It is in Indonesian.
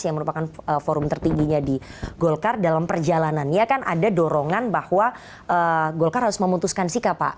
yang merupakan forum tertingginya di golkar dalam perjalanannya kan ada dorongan bahwa golkar harus memutuskan sikap pak